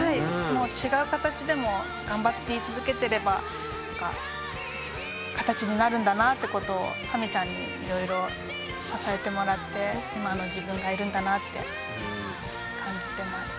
もう違う形でもがんばり続けてれば形になるんだなってことをハミちゃんにいろいろ支えてもらって今の自分がいるんだなって感じてます。